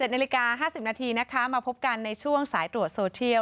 ๗นาฬิกา๕๐นาทีนะคะมาพบกันในช่วงสายตรวจโซเทียล